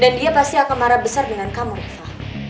dan dia pasti akan marah besar dengan kamu reva